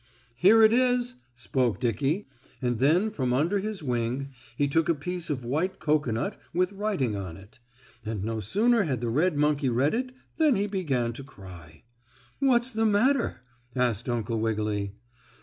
"Here it is," spoke Dickie, and then from under his wing he took a piece of white cocoanut with writing on it. And no sooner had the red monkey read it than he began to cry. "What's the matter?" asked Uncle Wiggily.